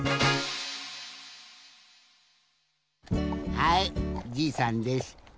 はいじいさんです。